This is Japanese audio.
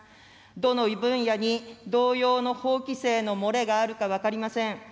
どの分野に同様の法規制の漏れがあるか分かりません。